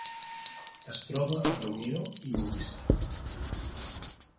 Es troba a Reunió i Maurici.